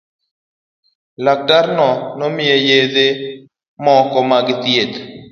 Laktarno nomiye yedhe moko mag thieth.